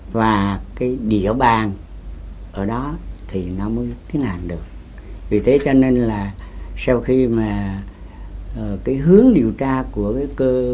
thì nó theo tôi nó theo tới cầu dưới